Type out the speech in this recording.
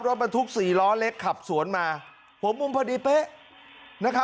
รถบรรทุกสี่ล้อเล็กขับสวนมาผมมุมพอดีเป๊ะนะครับ